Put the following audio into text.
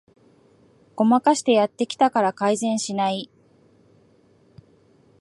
ごまかしてやってきたから改善しない